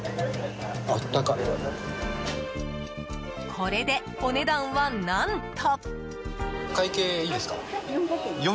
これでお値段は何と！